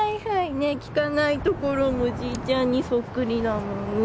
ね聞かないところもじいちゃんにそっくりだもんね。